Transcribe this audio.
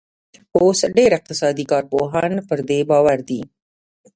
اوس ډېر اقتصادي کارپوهان پر دې باور دي